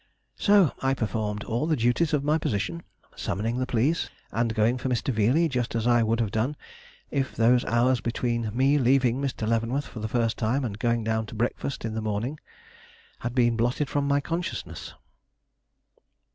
So I performed all the duties of my position, summoning the police, and going for Mr. Veeley, just as I would have done if those hours between me leaving Mr. Leavenworth for the first time and going down to breakfast in the morning had been blotted from my consciousness.